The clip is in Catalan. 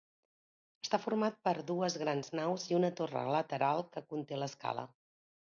Està format per dues grans naus i una torre lateral que conté l'escala.